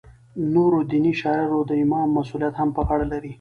نورو دیني شعایرو د امامت مسولیت هم په غاړه لری.